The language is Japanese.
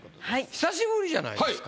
久しぶりじゃないですか？